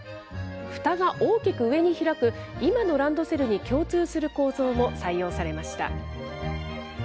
ふたが大きく上に開く、今のランドセルに共通する構造も採用されました。